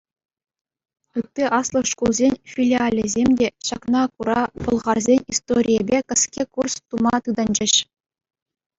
Ытти аслӑ шкулсен филиалӗсем те, ҫакна кура, пӑлхарсен историйӗпе кӗске курс тума тытӑнчӗҫ.